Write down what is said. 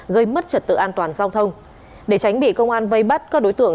gây mất trật tự an toàn giao thông